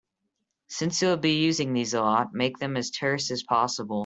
Since you'll be using these a lot, make them as terse as possible.